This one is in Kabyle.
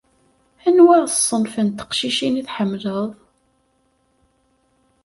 Anwa ṣṣenf n teqcicin i tḥemmleḍ?